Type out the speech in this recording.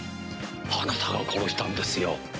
あなたが殺したんですよ。